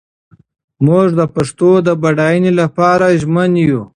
موږ د پښتو د بډاینې لپاره ژمن یو.